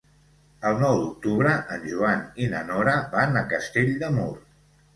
El nou d'octubre en Joan i na Nora van a Castell de Mur.